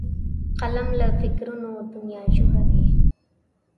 قلم له فکرونو دنیا جوړوي